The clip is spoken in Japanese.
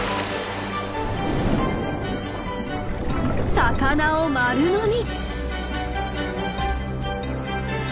魚を丸飲み。